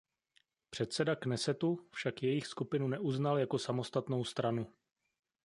Předseda Knesetu však jejich skupinu neuznal jako samostatnou stranu.